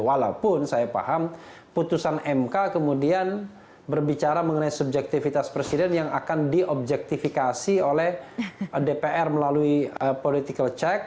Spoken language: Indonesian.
walaupun saya paham putusan mk kemudian berbicara mengenai subjektivitas presiden yang akan diobjektifikasi oleh dpr melalui political check